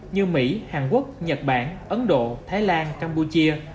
như mỹ hàn quốc nhật bản ấn độ thái lan campuchia